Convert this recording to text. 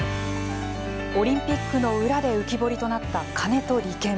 オリンピックの裏で浮き彫りとなった金と利権。